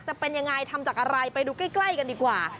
จะเป็นยังไงทำจากอะไรไปดูใกล้กันดีกว่า